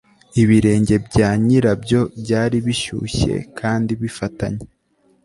ibirenge bya nyirabyo byari bishyushye kandi bifatanye.